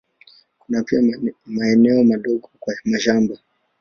Kuna pia maeneo madogo kwa mashamba.